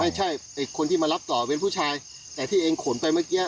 ไอ้คนที่มารับต่อเป็นผู้ชายแต่ที่เองขนไปเมื่อกี้